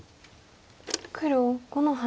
黒５の八。